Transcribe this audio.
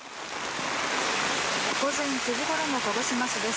午前９時ごろの鹿児島市です。